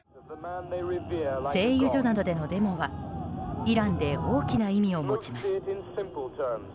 製油所などでのデモはイランで大きな意味を持ちます。